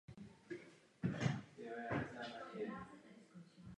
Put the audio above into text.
Mám neuvěřitelně tlustého kocoura.